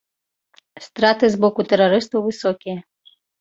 Страты з боку тэрарыстаў высокія.